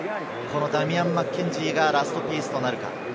ダミアン・マッケンジーがラストピースとなるか？